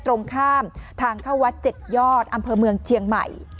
ตรงข้ามทางเข้าวัด๗ยอดอำเภอเมืองเชียงใหม่